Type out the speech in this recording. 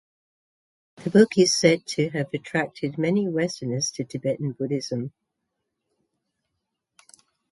The book is said to have attracted many westerners to Tibetan Buddhism.